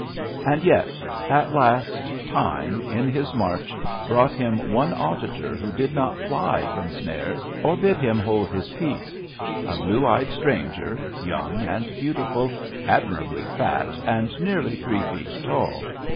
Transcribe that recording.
And yet at last Time, in his march, brought him one auditor who did not fly from Snares or bid him hold his peace : a blue eyed stranger, young and beautiful, ad mirably fat, and nearly three feet tall.